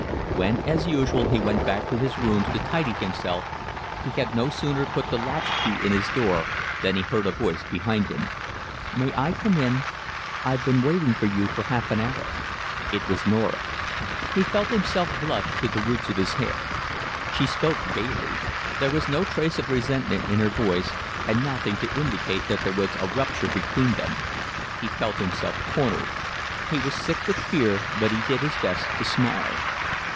When as usual he went back to his rooms to tidy himself, he had no sooner put the latch key in his door than he heard a voice behind him. "May I come in? I've been waiting for you for half an hour." It was Norah. He felt himself blush to the roots of his hair. She spoke gaily. There was no trace of resentment in her voice and nothing to indicate that there was a rupture between them. He felt himself cornered. He was sick with fear, but he did his best to smile.